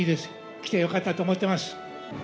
来てよかったと思っています。